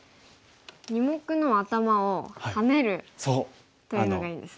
二目のアタマをハネるというのがいいんですね。